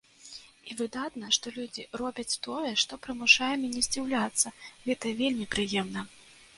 І выдатна, што людзі робяць тое, што прымушае мяне здзіўляцца, гэта вельмі прыемна.